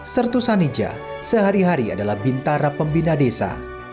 sertu sanija sehari hari adalah bintara pembina desa